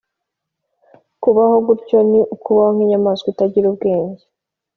Kubaho gutyo rero ni ukubaho nk’inyamaswa itagira ubwenge bwo